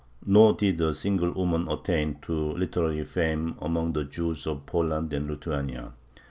Nor did a single woman attain to literary fame among the Jews of Poland and Lithuania.